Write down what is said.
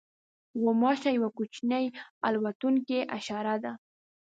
غوماشه یوه کوچنۍ الوتونکې حشره ده.